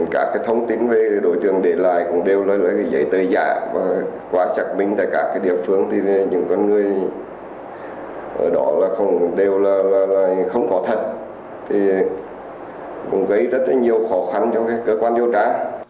các thông tin về đối tượng để lại cũng đều là giấy tờ giả và qua xác minh tại các địa phương thì những con người ở đó đều là không có thật thì cũng gây rất nhiều khó khăn cho cơ quan điều tra